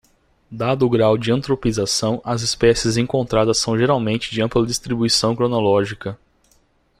Dado o grau de antropização, as espécies encontradas são geralmente de ampla distribuição cronológica.